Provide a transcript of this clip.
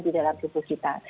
di dalam tubuh kita